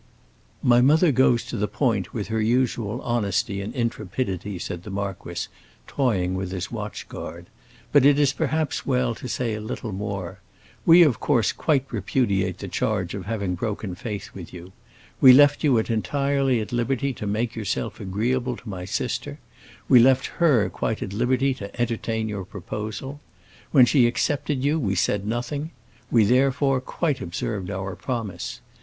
"My mother goes to the point, with her usual honesty and intrepidity," said the marquis, toying with his watch guard. "But it is perhaps well to say a little more. We of course quite repudiate the charge of having broken faith with you. We left you entirely at liberty to make yourself agreeable to my sister. We left her quite at liberty to entertain your proposal. When she accepted you we said nothing. We therefore quite observed our promise.